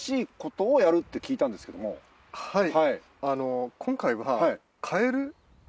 はい。